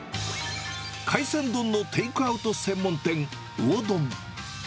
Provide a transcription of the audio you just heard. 海鮮丼のテイクアウト専門店、魚丼。